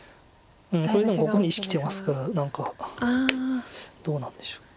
これでもここに石きてますから何かどうなんでしょう。